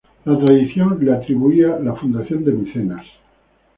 La tradición le atribuía la fundación de Micenas.